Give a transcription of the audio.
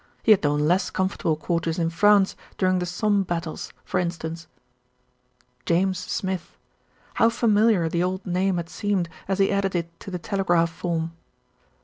He had known less comfortable quarters in France, during the Somme battles for instance. "James Smith!" How familiar the old name had seemed as he added it to the telegraph form.